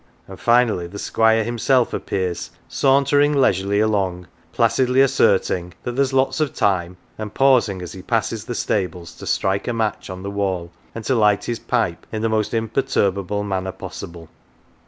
"" And finally the Squire himself appears, sauntering leisurely along, placidly asserting that there's " lots of time," and pausing as he passes the stables to strike a match on the wall, and to light his pipe in the most imperturbable manner possible.